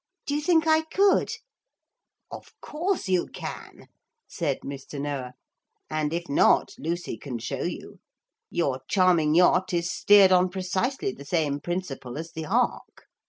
Do you think I could?' 'Of course you can,' said Mr. Noah; 'and if not, Lucy can show you. Your charming yacht is steered on precisely the same principle as the ark.